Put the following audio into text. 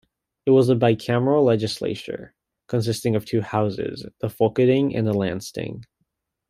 It was a bicameral legislature, consisting of two houses, the "Folketing" and the "Landsting".